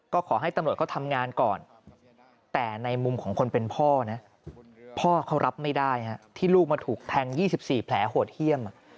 ก็ขอให้ตำรวจเขาทำงานก่อนแต่ในมุมของคนเป็นพ่อนะพ่อเขารับไม่ได้ที่ลูกมาถูกแทง๒๔แผลโหดเยี่ยม